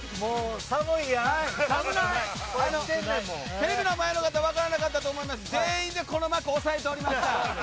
テレビの前の方、分からないと思います、全員でこの幕押さえておりました。